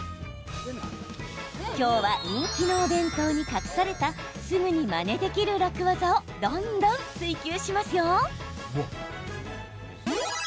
今日は、人気のお弁当に隠されたすぐに、まねできる楽ワザをどんどん追求しますよ。